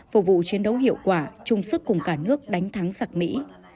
phục vụ chiến đấu hiệu quả chung sức cùng cả nước đánh thắng giặc mỹ